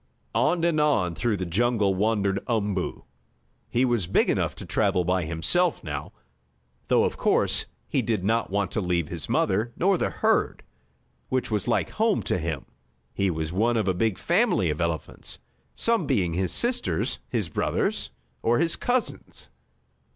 On and on through the jungle wandered Umboo. He was big enough to travel by himself now, though of course he did not want to leave his mother, nor the herd, which was like home to him. He was one of a big family of elephants, some being his sisters, his brothers or his cousins.